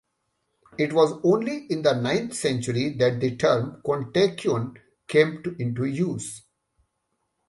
It was only in the ninth century that the term kontakion came into use.